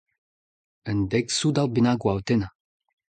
Un dek soudard bennak a oa o tennañ.